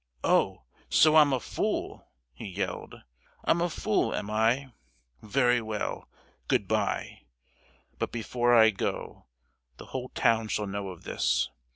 "Oh! so I'm a fool!" he yelled; "I'm a fool, am I? Very well, good bye! But before I go, the whole town shall know of this!